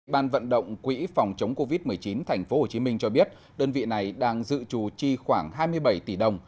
ban vận động quỹ phòng chống covid một mươi chín tp hcm cho biết đơn vị này đang dự trù chi khoảng hai mươi bảy tỷ đồng